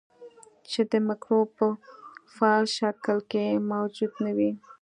چې د مکروب په فعال شکل کې موجود نه وي.